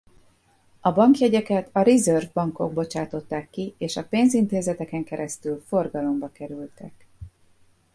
A bankjegyeket a Reserve Bankok bocsátották ki és a pénzintézeteken keresztül forgalomba kerültek.